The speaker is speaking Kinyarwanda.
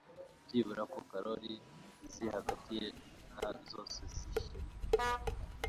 byibura ko karoli ziri hagati na zose zishya